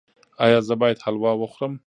ایا زه باید حلوا وخورم؟